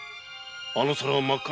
あの皿は真っ赤な偽物。